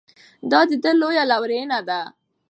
دا د ده لویه لورینه ده.